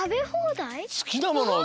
すきなものをね。